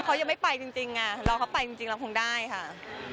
เขายังไม่ไปจริงรอเขาไปจริงเราคงได้ค่ะ